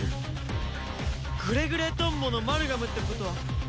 グレグレトンボのマルガムってことは。